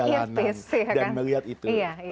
dan melihat itu